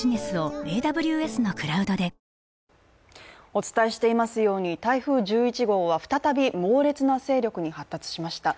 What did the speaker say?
お伝えしていますように、台風１１号は再び猛烈な勢力に発達しました。